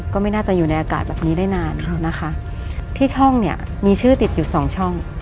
ก็ไม่น่าจะอยู่ในอากาศแบบนี้ได้นานนะคะที่ช่องเนี่ยมีชื่อติดอยู่สองช่อง